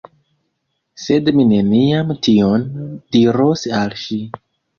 Sed mi neniam tion diros al ŝi.